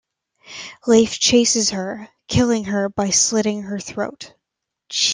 Leif chases her, killing her by slitting her throat.